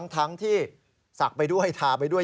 ทั้งที่ศักดิ์ไปด้วยทาไปด้วย